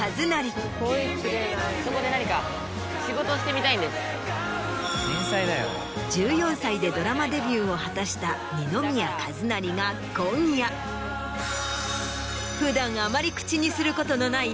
そこで何か仕事をしてみたいんです。を果たした二宮和也が今夜普段あまり口にすることのない。